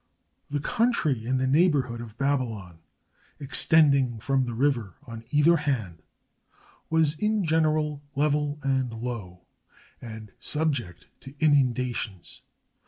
The country in the neighborhood of Babylon, extend ing from the river on either hand, was in general level and low, and subject to inundations.